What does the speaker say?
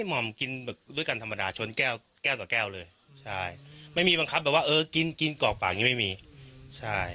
ห่อมกินด้วยกันธรรมดาชนแก้วแก้วต่อแก้วเลยใช่ไม่มีบังคับแบบว่าเออกินกินกรอกปากอย่างนี้ไม่มีใช่